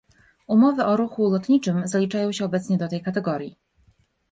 Umowy o ruchu lotniczym zaliczają się obecnie do tej kategorii